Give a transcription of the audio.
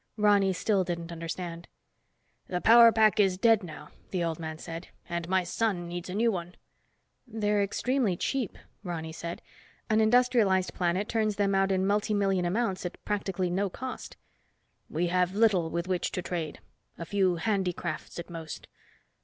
Ronny still didn't understand. "The power pack is dead now," the old man said, "and my son needs a new one." "They're extremely cheap," Ronny said. "An industrialized planet turns them out in multi million amounts at practically no cost." "We have little with which to trade. A few handicrafts, at most."